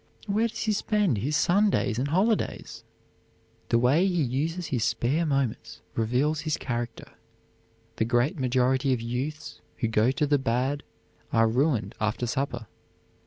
Where does he spend his Sundays and holidays? The way he uses his spare moments reveals his character. The great majority of youths who go to the bad are ruined after supper.